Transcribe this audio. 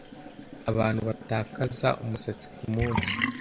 Abantu batakaza umusatsi kumunsi